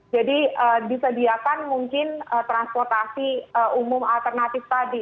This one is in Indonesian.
jadi disediakan mungkin transportasi umum alternatif tadi